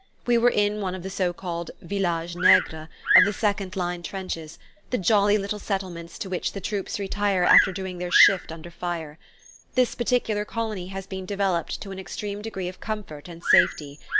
We were in one of the so called "villages negres" of the second line trenches, the jolly little settlements to which the troops retire after doing their shift under fire. This particular colony has been developed to an extreme degree of comfort and safety.